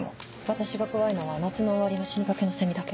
私が怖いのは夏の終わりの死にかけのセミだけ。